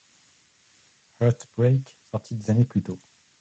Heartbreak sorti dix années plus tôt.